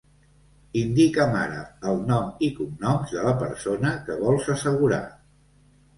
Indica'm ara el nom i cognoms de la persona que vols assegurar.